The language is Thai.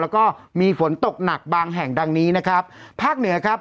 แล้วก็มีฝนตกหนักบางแห่งดังนี้นะครับภาคเหนือครับ